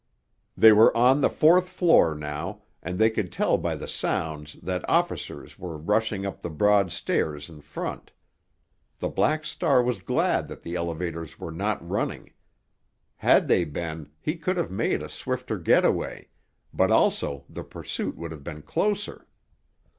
They were on the fourth floor now, and they could tell by the sounds that officers were rushing up the broad stairs in front. The Black Star was glad that the elevators were not running. Had they been, he could have made a swifter get away, but also the pursuit would have been closer.